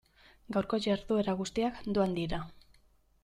Gaurko jarduera guztiak doan dira.